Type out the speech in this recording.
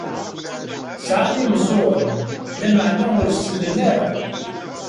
Sɛan imeẓẓuɣen, lameɛna ur sellen ara.